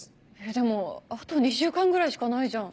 でもあと２週間ぐらいしかないじゃん。